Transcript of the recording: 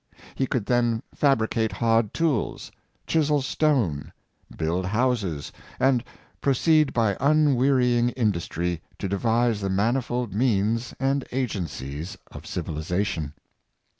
He could then fabricate hard tools, chisel stone, build houses, and proceed by unwearying industry to devise the manifold means and agencies of civilization.